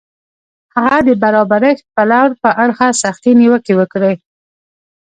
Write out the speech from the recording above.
هغه د برابرښت پلور په اړه سختې نیوکې وکړې.